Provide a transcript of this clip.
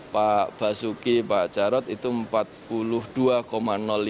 pak basuki pak carot itu empat puluh tujuh persen